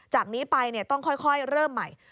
จากนี้ไปต้องค่อยเริ่มใหม่